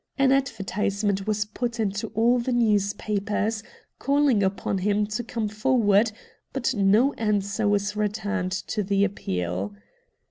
An advertisement was put into all the newspapers, calling upon him to come forward, but no answer was returned to the appeal.